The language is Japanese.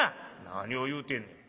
「何を言うてんねん。